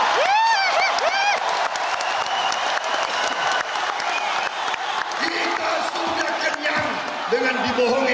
hahaha kita sudah kenyang dengan dibohongi